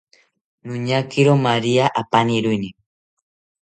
Noñakiro maria apaniroeni